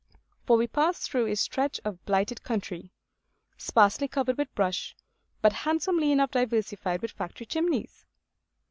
For we passed through a stretch of blighted country, sparsely covered with brush, but handsomely enough diversified with factory chimneys.